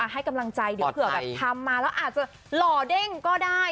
ให้กำลังใจเดี๋ยวเผื่อแบบทำมาแล้วอาจจะหล่อเด้งก็ได้